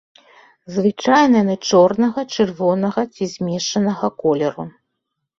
Звычайна яны чорнага, чырвонага ці змешанага колеру.